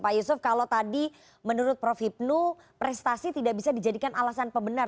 pak yusuf kalau tadi menurut prof hipnu prestasi tidak bisa dijadikan alasan pembenar